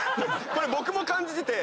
これ僕も感じてて。